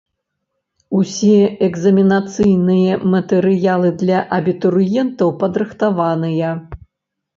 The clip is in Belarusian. Усе экзаменацыйныя матэрыялы для абітурыентаў падрыхтаваныя.